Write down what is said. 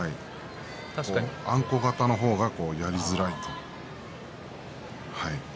あんこ型の方がやりづらいと。